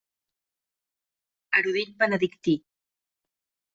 Erudit benedictí.